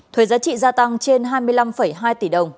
thuế giá trị gia tăng trên hai mươi năm hai tỷ đồng